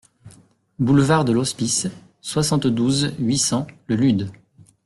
Boulevard de l'Hospice, soixante-douze, huit cents Le Lude